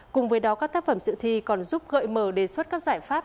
cùng với đó các tác phẩm dự thi còn giúp gợi mở đề xuất các giải pháp